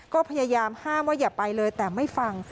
ก็พยายามห้ามว่าอย่าไปเลยแต่ไม่ฟัง